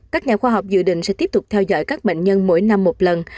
các nhà khoa học dự định sẽ tiếp tục theo dõi các bệnh nhân mỗi năm một lần